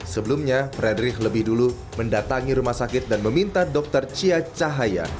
sebelumnya frederick lebih dulu mendatangi rumah sakit dan meminta dr cia cahaya